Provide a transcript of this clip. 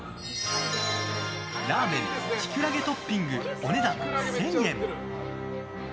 ラーメン、キクラゲトッピングお値段１０００円。